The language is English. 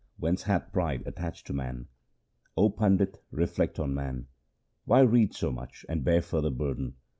Whence hath pride attached to man ? 0 Pandit, reflect on man. Why read so much and bear further burden